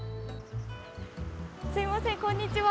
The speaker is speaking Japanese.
すいませんこんにちは。